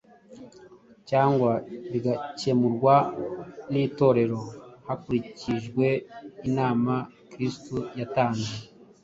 cyangwa bigakemurwa n’Itorero hakurikijwe inama Kristo yatanze